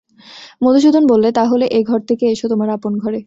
মধুসূদন বললে, তা হলে এ-ঘর থেকে এসো তোমার আপন ঘরে।